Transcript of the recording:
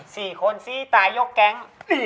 สี่คนซี้ตายยกแก๊ง